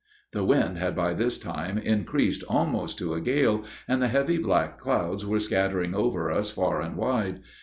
The wind had by this time increased almost to a gale, and the heavy, black clouds were scattering over us far and wide.